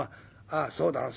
ああそうだろう。